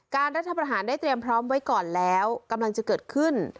รัฐประหารได้เตรียมพร้อมไว้ก่อนแล้วกำลังจะเกิดขึ้น